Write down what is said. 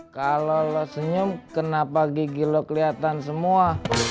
kalau lo senyum kenapa gigi lo kelihatan semua